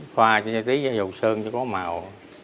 khoa cho dầu sơn cho có màu